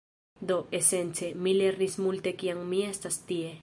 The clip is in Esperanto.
Do, esence, mi lernis multe kiam mi estas tie